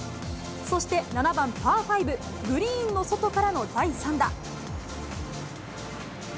そして７番パー５、グリーンの外からの第３打。